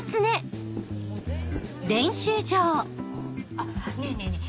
・あっねぇねぇねぇ！